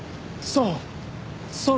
そう！